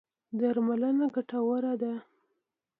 درملنه ګټوره ده.